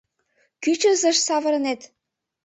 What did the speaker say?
— Кӱчызыш савырынет?